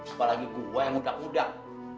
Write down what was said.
apalagi gue yang mudah mudag